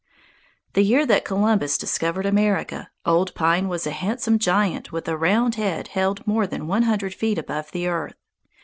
The year that Columbus discovered America, Old Pine was a handsome giant with a round head held more than one hundred feet above the earth.